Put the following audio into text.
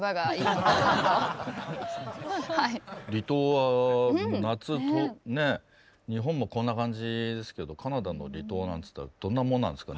離島は夏ね日本もこんな感じですけどカナダの離島なんつったらどんなもんなんですか？